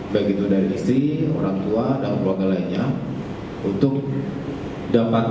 baik itu dari istri orang tua dan keluarga lainnya untuk dapat